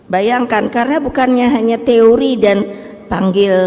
bayangkan karena bukannya hanya teori dan panggil